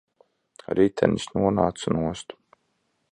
Ritenis nonāca nost.